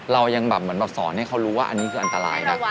เรายังแบบสอนให้เขารู้ว่าอันนี้คืออันตราย